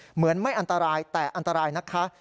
เหมือนไม่อันตรายแต่อันตรายนะคะ